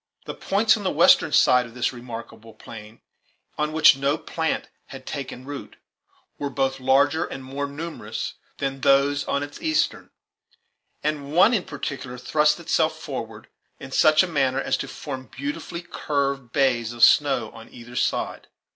The points on the western side of this remarkable plain, on which no plant had taken root, were both larger and more numerous than those on its eastern, and one in particular thrust itself forward in such a manner as to form beautifully curved bays of snow on either side.